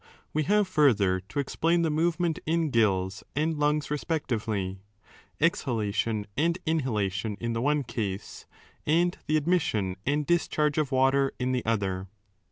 We have further to 2 explain the movement ^ in gills and lungs respectively, — exhalation and inhalation in the one case, and the admission and discharge of water in the other.